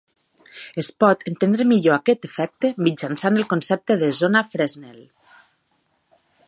Es pot entendre millor aquest efecte mitjançant el concepte de zona Fresnel.